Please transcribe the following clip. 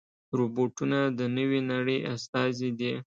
روبوټونه د نوې نړۍ استازي دي.